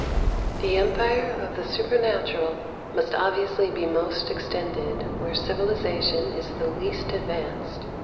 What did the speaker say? The empire of the supernatural must obviously be most extended where civilization is the least advanced.